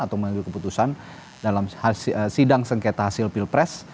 atau mengambil keputusan dalam sidang sengketa hasil pilpres